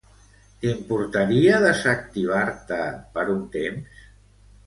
T'importaria desactivar-te per un temps?